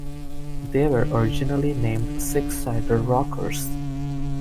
They were originally named Six Sided Rockers.